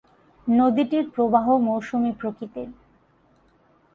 নদীটির প্রবাহ মৌসুমি প্রকৃতির।